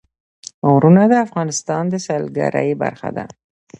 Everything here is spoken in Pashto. غرونه د افغانستان د سیلګرۍ برخه ده.